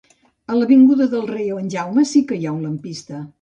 A l'avinguda del Rei en Jaume sí que hi ha un lampista